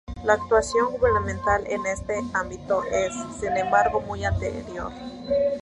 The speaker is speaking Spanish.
La actuación gubernamental en este ámbito es, sin embargo, muy anterior.